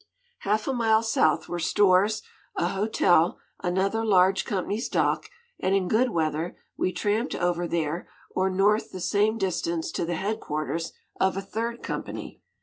Half a mile south were stores, a hotel, another large company's dock, and in good weather we tramped over there or north the same distance to the headquarters of a third company.